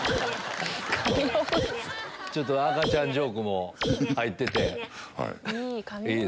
赤ちゃんジョークも入ってて。